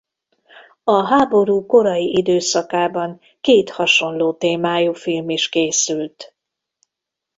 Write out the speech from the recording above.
A háború korai időszakában két hasonló témájú film is készült.